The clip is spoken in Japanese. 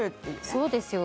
そうですよ。